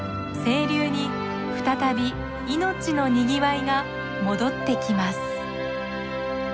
清流に再び命のにぎわいが戻ってきます。